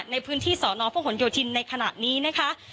ในพื้นที่สนพยศในขณะนี้นะคะ